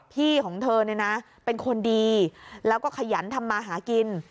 พี่ของเธอเนี่ยนะเป็นคนดีแล้วก็ขยันทำมาหากิน